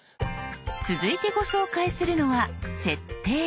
続いてご紹介するのは「設定」。